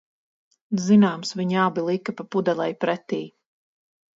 Zināms, viņi abi lika pa pudelei pretī.